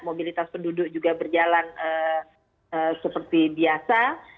mobilitas penduduk juga berjalan seperti biasa